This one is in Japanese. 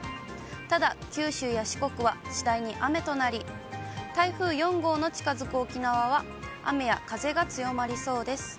ただ、九州や四国は次第に雨となり、台風４号の近づく沖縄は、雨や風が強まりそうです。